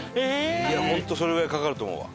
いや本当それぐらいかかると思うわ。